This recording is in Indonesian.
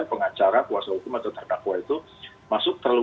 pengacara kuasa hukum atau terdakwa itu masuk terlalu